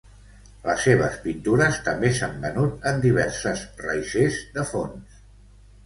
Les seves pintures també s'han venut en diverses raisers de fons.